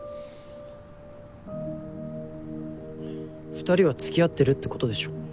２人は付き合ってるってことでしょ。